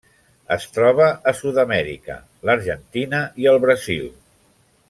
Es troba a Sud-amèrica: l'Argentina i el Brasil.